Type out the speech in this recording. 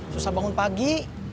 susah bangun pagi